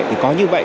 thì có như vậy